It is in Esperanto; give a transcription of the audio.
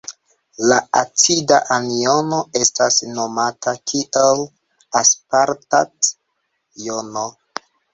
La acida anjono estas nomata kiel aspartat-jono.